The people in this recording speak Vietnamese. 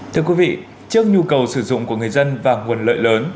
thưa quý vị trước nhu cầu sử dụng của người dân và nguồn lợi lớn